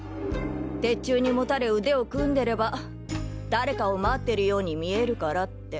鉄柱にもたれ腕を組んでれば誰かを待ってるように見えるからって。